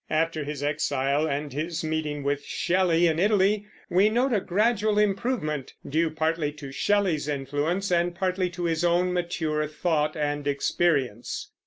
After his exile, and his meeting with Shelley in Italy, we note a gradual improvement, due partly to Shelley's influence and partly to his own mature thought and experience.